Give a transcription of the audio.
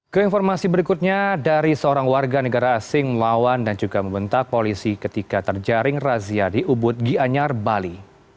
keinformasi berikutnya dari seorang warga negara asing melawan dan juga membentak polisi ketika terjaring razia di ubud gianyar bali